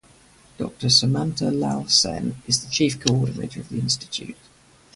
Doctor Samanta Lal Sen is the chief coordinator of the institute.